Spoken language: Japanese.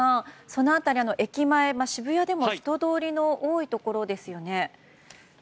その辺り、駅前で渋谷でも人通りの多いところですよね。